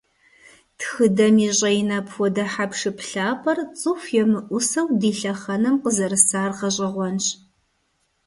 Тхыдэм и щIэин апхуэдэ хьэпшып лъапIэр, цIыху емыIусэу, ди лъэхъэнэм къызэрысар гъэщIэгъуэнщ.